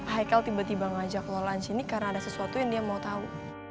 haikel tiba tiba ngajak lo lunch ini karena ada sesuatu yang dia mau tau